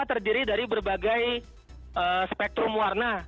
terdiri dari berbagai spektrum warna